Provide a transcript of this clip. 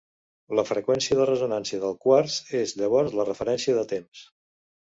La freqüència de ressonància del quars és llavors la referència de temps.